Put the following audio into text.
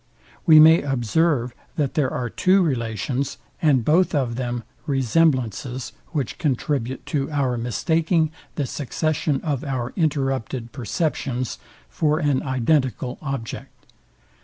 We may observe, that there are two relations, and both of them resemblances, which contribute to our mistaking the succession of our interrupted perceptions for an identical object.